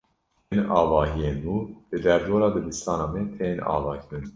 Hin avahiyên nû li derdora dibistana me tên avakirin.